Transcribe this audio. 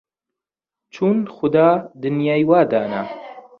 چون خودا دنیای وا دانا